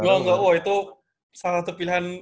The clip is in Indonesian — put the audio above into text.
bilang enggak wah itu salah satu pilihan